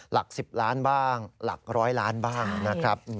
หลัก๑๐ล้านบ้างหลักร้อยล้านบ้างนะครับ